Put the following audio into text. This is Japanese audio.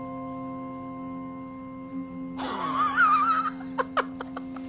ハハハハハ！